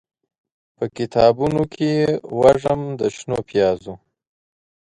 به کتابونوکې یې، وږم د شنو پیازو